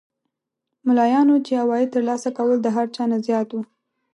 ملایانو چې عواید تر لاسه کول د هر چا نه زیات وو.